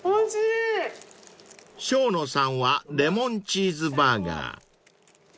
［生野さんはレモンチーズバーガー］